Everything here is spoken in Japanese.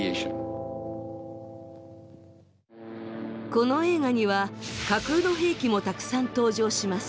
この映画には架空の兵器もたくさん登場します。